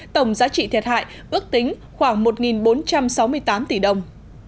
tổng giá trị thiệt hại ước tính khoảng một bốn trăm sáu mươi tám tỷ đồng